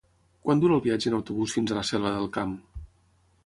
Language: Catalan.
Quant dura el viatge en autobús fins a la Selva del Camp?